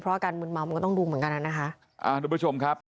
เพราะอาการมึนเมาส์ก็ต้องรุมเหมือนกัน